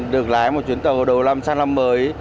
được lái một chuyến tàu đầu năm sang năm mới